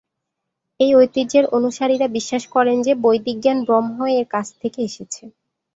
এই ঐতিহ্যের অনুসারীরা বিশ্বাস করেন যে বৈদিক জ্ঞান ব্রহ্ম এর কাছ থেকে এসেছে।